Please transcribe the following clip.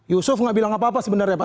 yusuf nggak bilang apa apa sebenarnya pak